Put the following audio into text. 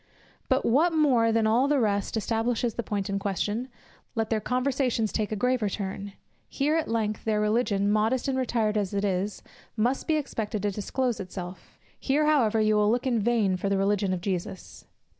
But what more than all the rest establishes the point in question: let their conversation take a graver turn: here at length their religion, modest and retired as it is, must be expected to disclose itself; here however you will look in vain for the religion of Jesus.